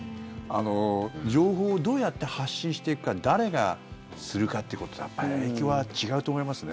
情報をどうやって発信していくか誰がするかということでやっぱり影響は違うと思いますね。